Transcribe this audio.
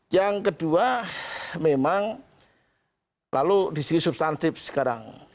yang kedua memang lalu di sisi substansif sekarang